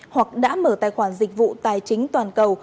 hoặc đã mở tài khoản dịch vụ tài chính toàn cầu